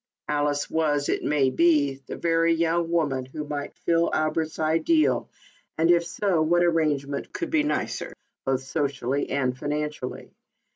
Alice was, it may be, the very woman who might fill Albert's ideal, and if so, what arrangement could be nicer, both socially and financially?